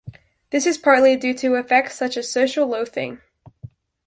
This is partly due to effects such as social loafing.